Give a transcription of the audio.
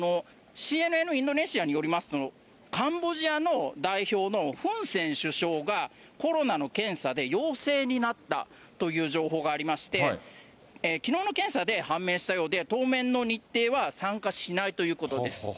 ＣＮＮインドネシアによりますとカンボジアの代表のフン・セン首相がコロナの検査で陽性になったという情報がありまして、きのうの検査で判明したようで、当面の日程は参加しないということです。